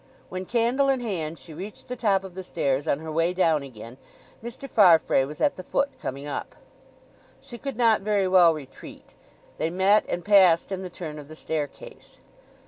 When, candle in hand, she reached the top of the stairs on her way down again, Mr. Farfrae was at the foot coming up. She could not very well retreat; they met and passed in the turn of the staircase.